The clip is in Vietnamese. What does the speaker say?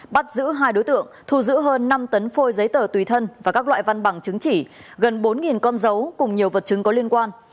bắt giữ hai đối tượng thu giữ hơn năm tấn phôi giấy tờ tùy thân và các loại văn bằng chứng chỉ gần bốn con dấu cùng nhiều vật chứng có liên quan